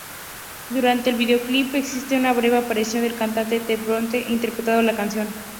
Durante el videoclip, existe una breve aparición del cantante T-Bone, interpretando la canción.